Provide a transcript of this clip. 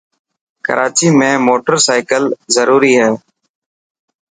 ڪراچي ۾ موٽر سائيڪل ضروري هي.